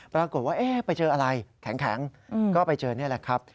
ปรากฏว่าไปเจออะไรแข็งก็ไปเจอนี่แหละครับ